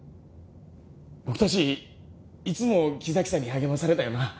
僕たちいつも木崎さんに励まされたよな。